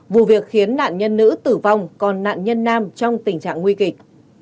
vụ việc khiến nạn nhân nữ tử vong còn nạn nhân nam trong tình trạng nguy kịch